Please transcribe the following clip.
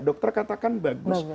dokter katakan bagus